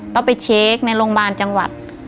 ต้องไปเช็คในโรงบาลจังหวัด